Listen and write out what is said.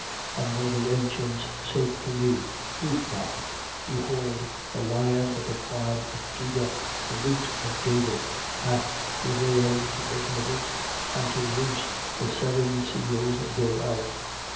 5:5. And one of the ancients said to me: Weep not: behold the lion of the tribe of Juda, the root of David, hath prevailed to open the book and to loose the seven seals thereof.